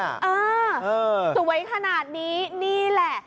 เออสวยขนาดนี้นี่แหละ